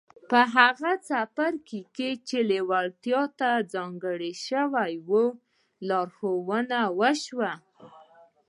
په هغه څپرکي کې چې لېوالتیا ته ځانګړی شوی و لارښوونه وشوه.